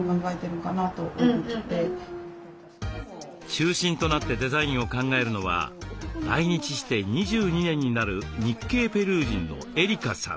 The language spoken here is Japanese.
中心となってデザインを考えるのは来日して２２年になる日系ペルー人のエリカさん。